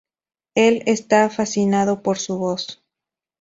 Él está fascinado por su voz.